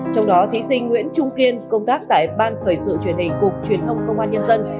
trong đó thí sinh nguyễn trung kiên công tác tại ban thời sự truyền hình cục truyền thông công an nhân dân